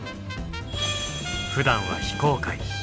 ふだんは非公開。